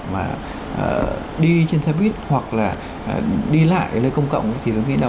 mà đi trên xe buýt hoặc là đi lại nơi công cộng thì đối với mình là